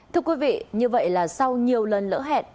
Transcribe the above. thưa quý vị như vậy là sau nhiều lần lỡ hẹn